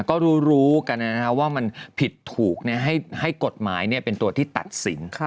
ก็รู้กันว่ามันผิดถูกให้กฎหมายเป็นตัวที่ตัดสิน